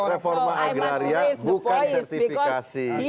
reform agraria bukan sertifikasi